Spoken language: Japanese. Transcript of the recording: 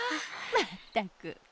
まったく！